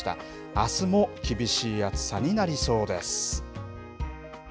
あすも厳しい暑さになりそうです。